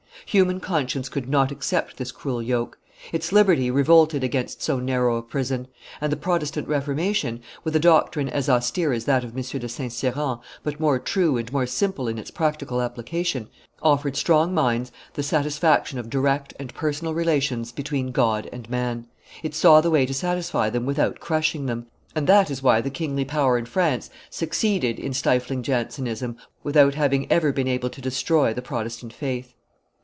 Human conscience could not accept this cruel yoke; its liberty revolted against so narrow a prison; and the Protestant reformation, with a doctrine as austere as that of M. de St. Cyran, but more true and more simple in its practical application, offered strong minds the satisfaction of direct and personal relations between God and man; it saw the way to satisfy them without crushing them; and that is why the kingly power in France succeeded in stifling Jansenism without having ever been able to destroy the Protestant faith.